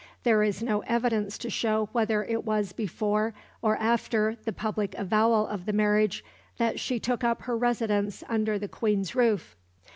There is no evidence to show whether it was before or after the public avowal of the marriage that she took up her residence under the Queen's roof.